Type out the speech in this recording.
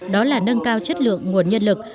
đó là nâng cao chất lượng nguồn nhân lực